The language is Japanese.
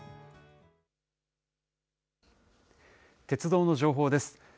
鉄道の情報です。